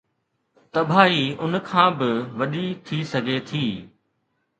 تباهي ان کان به وڏي ٿي سگهي ٿي.